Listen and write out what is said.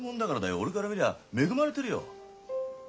俺から見りゃ恵まれてるよ。